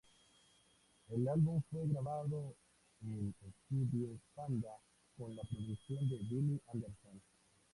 El álbum fue grabado en Estudios Panda, con la producción de Billy Anderson.